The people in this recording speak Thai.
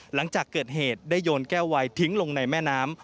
หลังจากเกิดเหตุได้โยนแก้ววายทิ้งลงในแม่น้ำ